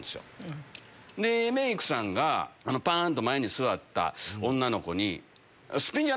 メイクさんがパンと前に座った女の子に。